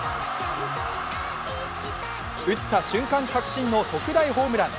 打った瞬間、確信の特大ホームラン。